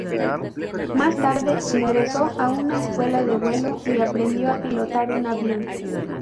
Más tarde, ingresó en una escuela de vuelo y aprendió a pilotar un avión.